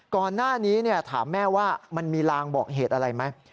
ก่อนหน้านี้ถามแม่ว่ามันมีลางบอกเหตุอะไรไหม